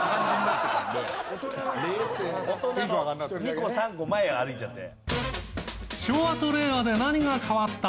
二個三個前を歩いちゃって。